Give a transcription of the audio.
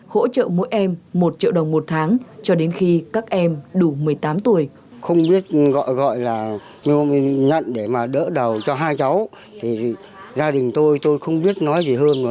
hỗ trợ mỗi em một triệu đồng một tháng cho đến khi các em đủ một mươi tám tuổi